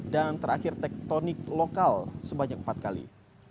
dan terakhir tektonik lokal sebanyak empat kali